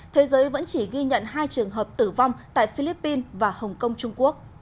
thế giới vẫn chỉ ghi nhận hai trường hợp tử vong tại philippines và hồng kông trung quốc